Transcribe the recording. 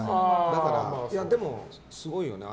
でも、すごいよね。